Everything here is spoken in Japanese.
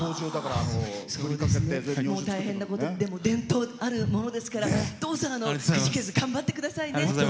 大変なことで伝統あるものですからどうぞくじけずに頑張ってくださいね。